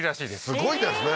すごいですね